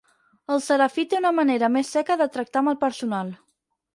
El Serafí té una manera més seca de tractar amb el personal.